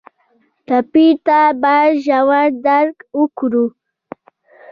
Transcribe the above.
ټپي ته باید ژور درک وکړو.